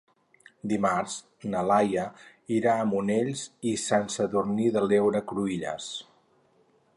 Dimarts na Laia irà a Monells i Sant Sadurní de l'Heura Cruïlles.